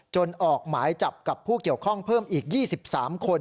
ออกหมายจับกับผู้เกี่ยวข้องเพิ่มอีก๒๓คน